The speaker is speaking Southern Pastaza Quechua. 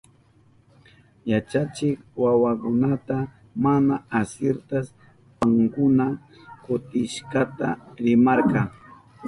Yachachikka wawakunata mana asirtashpankuna kutikashka rimarka.